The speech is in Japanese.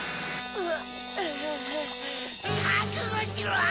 うわ！